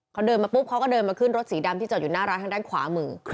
เขาเดินมาปุ๊บเขาก็เดินมาขึ้นรถสีดำที่จอดอยู่หน้าร้านทางด้านขวามือ